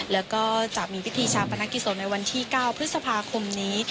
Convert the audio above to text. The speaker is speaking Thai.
แล้วก็จะมีพิธีชาปนกิจศพในวันที่๙พฤษภาคมนี้